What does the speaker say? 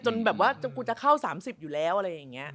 แบบว่าจนกูจะเข้า๓๐อยู่แล้วอะไรอย่างนี้